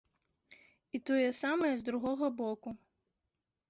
І тое самае з другога боку.